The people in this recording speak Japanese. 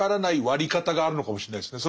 割り方があるのかもしれないですね。